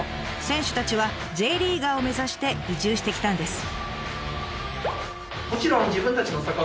選手たちはＪリーガーを目指して移住してきたんです。